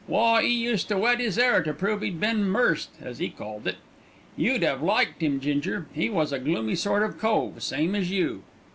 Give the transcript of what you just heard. Why, 'e used to wet 'is 'air to prove 'e'd been ''mersed,' as 'e called it. You'd 'ave liked 'im, Ginger; 'e was a gloomy sort of cove, same as you."